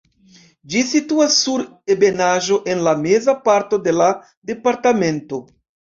Ĝi situas sur ebenaĵo en la meza parto de la departemento.